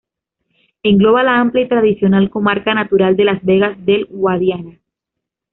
Engloba la amplia y tradicional comarca natural de las Vegas del Guadiana.